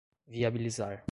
viabilizar